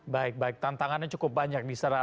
baik baik tantangannya cukup banyak di sana